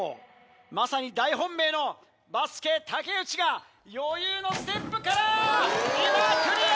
まさに大本命のバスケ竹内が余裕のステップから今クリア！